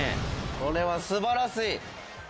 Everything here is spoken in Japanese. これはすばらしい。